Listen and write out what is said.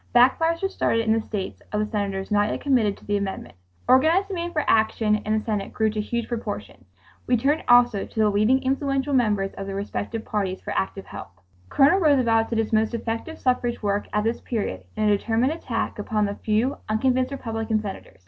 Backfires were started in the states of the senators not yet committed to the amendment. Organized demand for action in the Senate grew to huge proportions. We turned also to the leading influential members of the respective parties for active help. Colonel Roosevelt did his most effective suffrage work at this period in a determined attack upon the few unconvinced Republican Senators.